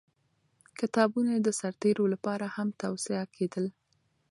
کتابونه یې د سرتېرو لپاره هم توصیه کېدل.